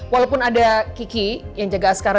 walaupun ada kiki yang jaga askar